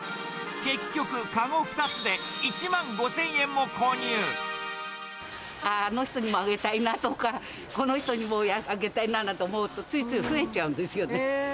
結局、籠２つで１万５０００ああ、あの人にもあげたいなとか、この人にもあげたいななんて思うと、ついつい増えちゃうんですよね。